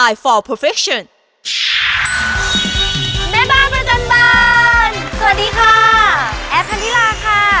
แอร์คันธิราค่ะ